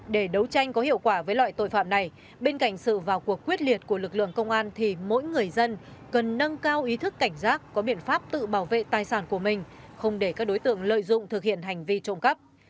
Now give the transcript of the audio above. để đấu tranh có hiệu quả với loại tội phạm này bên cạnh sự vào cuộc quyết liệt của lực lượng công an thì mỗi người dân cần nâng cao ý thức cảnh giác có biện pháp tự bảo vệ tài sản của mình không để các đối tượng lợi dụng thực hiện hành vi trộm cắp